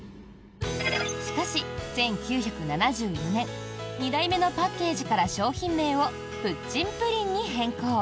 しかし、１９７４年２代目のパッケージから商品名をプッチンプリンに変更。